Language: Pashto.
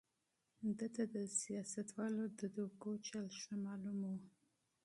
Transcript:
ده ته د سياستوالو د غولولو چل ښه معلوم و.